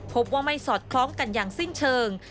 พบว่าไม่สอดคล้องกันอย่างสิ้นเชิง